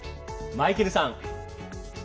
マイケルさん！